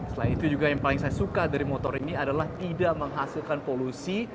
selain itu juga yang paling saya suka dari motor ini adalah tidak menghasilkan polusi